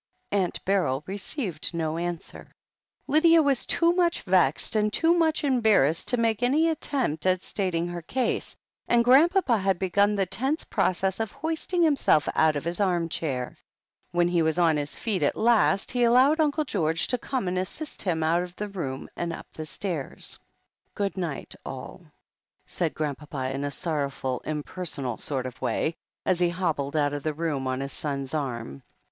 Aunt Beryl received no answer. Lydia was too much vexed and too much embar rassed to make any attempt at stating her case, and Grandpapa had begun the tense process of hoisting himself out of his arm chair. When he was on his feet 86 THE HEEL OF ACHILLES at last, he allowed Uncle George to come and assist him out of the room and up the stairs. "Good night all/' said Grandpapa in a sorrowful, impersonal sort of way, as he hobbled out of the room on his son's arm.